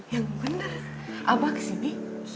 yang bener abah kesini